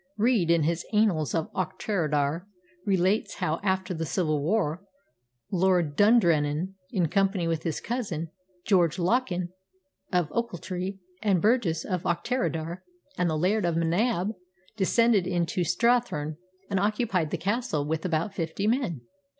Reid, in his Annals of Auchterarder, relates how, after the Civil War, Lord Dundrennan, in company with his cousin, George Lochan of Ochiltree, and burgess of Auchterarder and the Laird of M'Nab, descended into Strathearn and occupied the castle with about fifty men.